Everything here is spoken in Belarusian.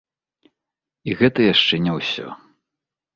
І гэта яшчэ не ўсё.